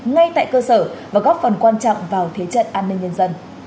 ngay tại cơ sở và góp phần quan trọng vào thế trận an ninh nhân dân